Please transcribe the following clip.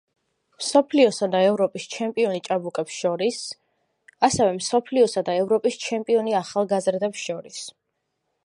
მსოფლიოსა და ევროპის ჩემპიონი ჭაბუკებს შორის, ასევე მსოფლიოსა და ევროპის ჩემპიონი ახალგაზრდებს შორის.